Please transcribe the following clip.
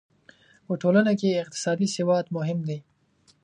په ټولنه کې اقتصادي سواد مهم دی.